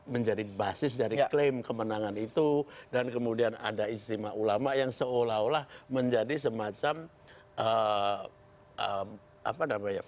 menjadi basis dari klaim kemenangan itu dan kemudian ada ijtima ulama yang seolah olah menjadi semacam apa namanya